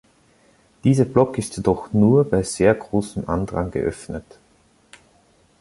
Dieser Block ist jedoch nur bei sehr großen Andrang geöffnet.